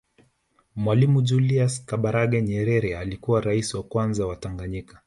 Mwalimu Julius Kambarage Nyerere alikuwa ni Rais wa kwanza wa Tanganyika